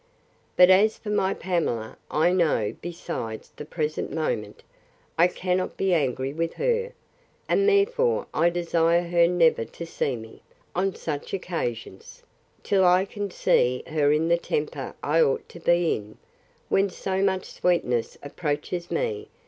But as for my Pamela, I know, besides the present moment, I cannot be angry with her; and therefore I desire her never to see me, on such occasions, till I can see her in the temper I ought to be in, when so much sweetness approaches me.